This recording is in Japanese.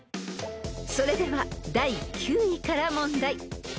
［それでは第９位から問題］